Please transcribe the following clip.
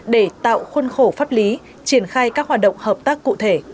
để tạo khuân khổ pháp lý triển khai các hoạt động hợp tác cụ thể